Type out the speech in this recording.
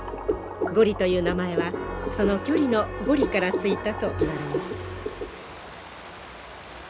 ゴリという名前はその距離の「５里」から付いたといわれます。